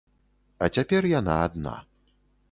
А цяпер яна адна.